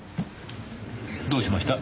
どうしました？